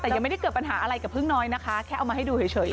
แต่ยังไม่ได้เกิดปัญหาอะไรกับพึ่งน้อยนะคะแค่เอามาให้ดูเฉย